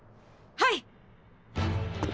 はい！